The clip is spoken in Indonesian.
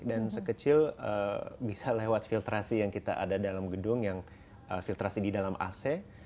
dan sekecil bisa lewat filtrasi yang kita ada dalam gedung yang filtrasi di dalam ac